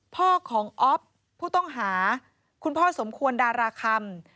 พ่อของอ๊อฟผู้ต้องหาคุณพ่อสมควรดาราคำ